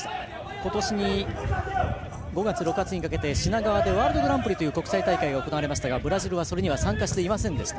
今年の５月、６月にかけてワールドグランプリという国際大会が行われましたがブラジルはそれには参加していませんでした。